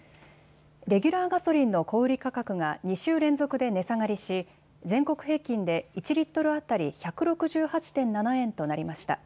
レギュラーガソリンの小売価格が２週連続で値下がりし、全国平均で１リットル当たり１６８．７円となりました。